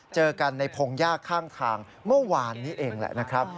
เจอกันในพงยากข้างทางเมื่อวานนี้เองแหละนะครับ